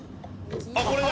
あっこれだ。